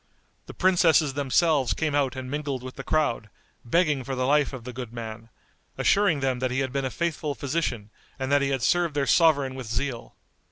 The princesses themselves came out and mingled with the crowd, begging for the life of the good man, assuring them that he had been a faithful physician and that he had served their sovereign with zeal.